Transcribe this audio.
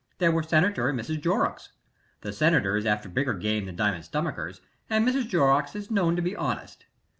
There were Senator and Mrs. Jorrocks. The Senator is after bigger game than diamond stomachers, and Mrs. Jorrocks is known to be honest.